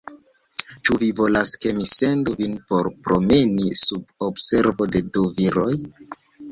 Ĉu vi volas, ke mi sendu vin por promeni, sub observo de du viroj?